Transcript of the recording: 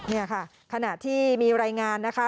นี่ค่ะขณะที่มีรายงานนะคะ